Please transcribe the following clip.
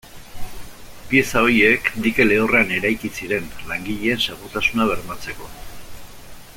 Pieza horiek dike lehorrean eraiki ziren, langileen segurtasuna bermatzeko.